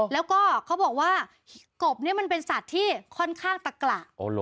แล้วก็เขาบอกว่ากบนี่มันเป็นสัตว์ที่ค่อนข้างตะกระ